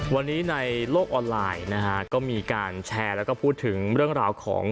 วันนี้ในโลกออนไลน์นะฮะก็มีการแชร์แล้วก็พูดถึงเรื่องราวของ